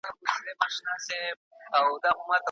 غاټول به نه وي پر غونډیو ارغوان به نه وي